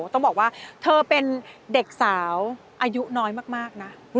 ต้องบอกว่าเธอเป็นเด็กสาวอายุน้อยมากนะ